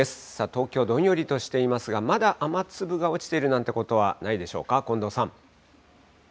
東京、どんよりとしていますが、まだ雨粒が落ちてるなんていうことはないでしょうか、近藤さん。